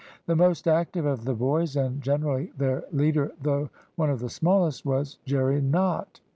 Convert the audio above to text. The most active of the boys, and generally their leader, though one of the smallest, was Jerry Nott.